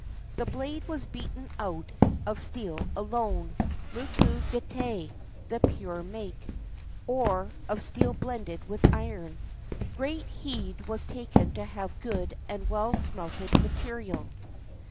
The blade was beaten out of steel alone — muku gitai, the " pure make "— or of steel blended with iron. Great heed was taken to have good and well smelted material.